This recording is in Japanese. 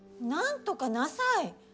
なんとかなさい！